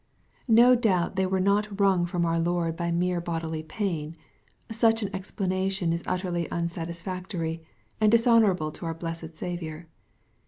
No doubt thej were not wrung from our Lord by mere bodily pain. Such an explana tion is utterly unsatisfactory, and dishonorable to our blessed Saviour.